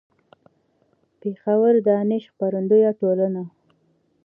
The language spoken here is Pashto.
. پېښور: دانش خپرندويه ټولنه